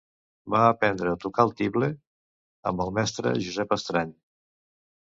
Va aprendre a tocar el tible amb el mestre Josep Estrany.